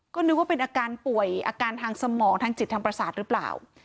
ก็นึกว่าเป็นอาการป่วยอาการทางสมองทางจิตทางประสาทหรือเปล่า